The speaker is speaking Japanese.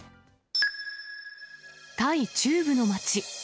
タイ中部の街。